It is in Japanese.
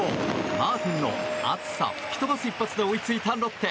マーティンの暑さを吹き飛ばす一発で追いついた、ロッテ。